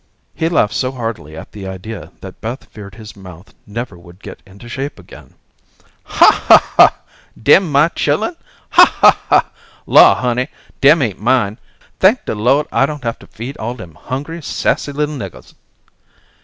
He laughed so heartily at the idea, that Beth feared his mouth never would get into shape again. "Ha, ha, ha. Dem my chillun! Ha, ha, ha. Law, honey, dem ain't mine. Thank de Lord, I don't have to feed all dem hungry, sassy, little niggahs."